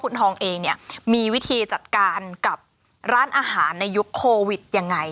คุณทองเองเนี่ยมีวิธีจัดการกับร้านอาหารในยุคโควิดยังไง